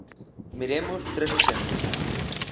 Miremos tres exemplos.